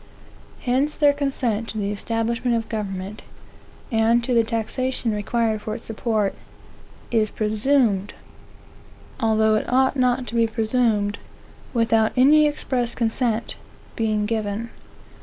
Hence their consent to the establishment of government, and to the taxation required for its support, is presumed, (although it ought not to be presumed,) without any express consent being given.